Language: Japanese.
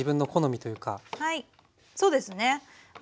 はいそうですね。